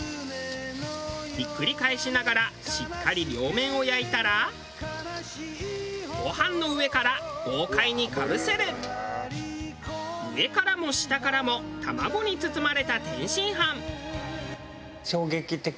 ひっくり返しながらしっかり両面を焼いたらご飯の上からも下からも卵に包まれた天津飯。